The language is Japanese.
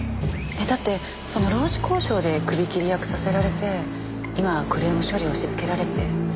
だってその労使交渉で首切り役させられて今はクレーム処理を押しつけられて。